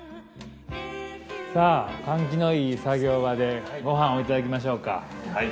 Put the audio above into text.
さぁ換気のいい作業場でご飯をいただきましょうか。